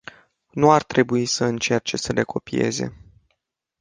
Nu ar trebui să încerce să le copieze.